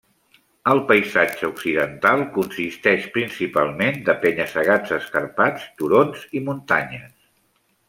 El paisatge occidental consisteix principalment de penya-segats escarpats, turons i muntanyes.